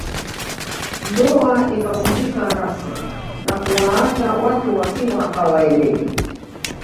Ndoa ikavunjika rasmi na kuwaacha watu wakiwa hawaelewi